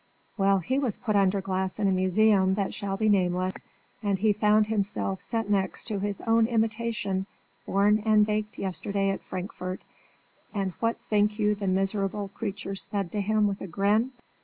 Well, he was put under glass in a museum that shall be nameless, and he found himself set next to his own imitation born and baked yesterday at Frankfort, and what think you the miserable creature said to him, with a grin?